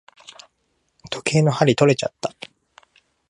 時計の針とれちゃった。